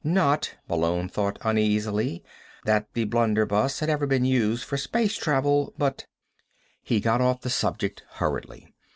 Not, Malone thought uneasily, that the blunderbuss had ever been used for space travel, but He got off the subject hurriedly.